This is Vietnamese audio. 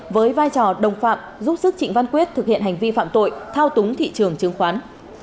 với vai trò đồng phạm giúp sức trịnh văn quyết thực hiện hành vi phạm tội thao túng thị trường chứng khoán